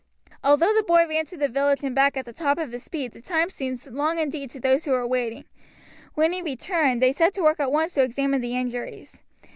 Although the boy ran to the village and back at the top of his speed the time seemed long indeed to those who were waiting. When he returned they set to work at once to examine the injuries.